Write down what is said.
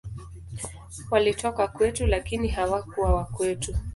Walitoka kwetu, lakini hawakuwa wa kwetu.